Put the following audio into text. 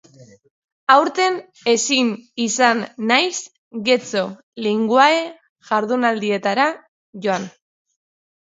Aurten ezin izan naiz Getxo Linguae jardunaldietara joan.